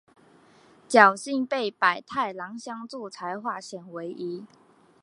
侥幸被百太郎相助才化险为夷。